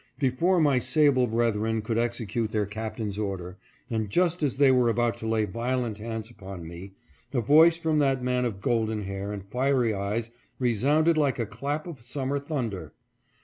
Before my sable brethren could execute their captain's order, and just as they were about to lay violent hands upon me, a voice from that man of golden hair and fiery eyes resounded like a clap of summer thunder.